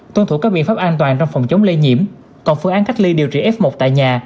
tuân thủ các biện pháp an toàn trong phòng chống lây nhiễm còn phương án cách ly điều trị f một tại nhà